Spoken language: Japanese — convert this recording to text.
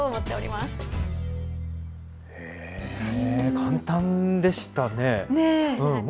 簡単でしたね。